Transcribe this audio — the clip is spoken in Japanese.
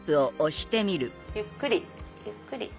ゆっくりゆっくり。